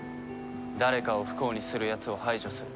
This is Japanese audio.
誰かを不幸にするやつを排除する。